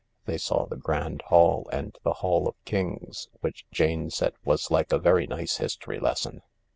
They saw the Grand Hall and the Hall of Kings, which Jane said was like a very nice history lesson.